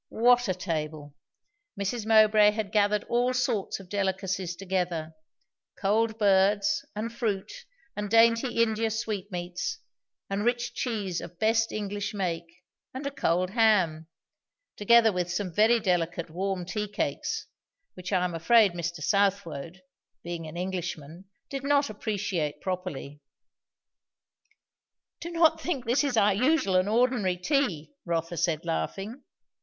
What a table! Mrs. Mowbray had gathered all sorts of delicacies together; cold birds, and fruit, and dainty India sweetmeats, and rich cheese of best English make, and a cold ham; together with some very delicate warm tea cakes, which I am afraid Mr. Southwode, being an Englishman, did not appreciate properly. "Do not think this is our usual and ordinary tea!" Rotha said laughing.